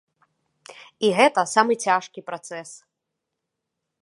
І гэта самы цяжкі працэс.